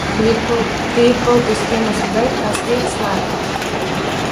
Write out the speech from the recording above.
Tīri politisku iemeslu dēļ tās tiek slēgtas.